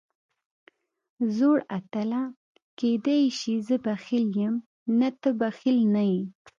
زوړ اتله، کېدای شي زه بخیل یم، نه ته بخیل نه یې.